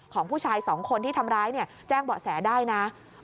ของผู้ชายสองคนที่ทำร้ายแจ้งเบาะแสได้นะ